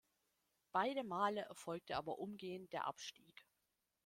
Beide Male erfolgte aber umgehend der Abstieg.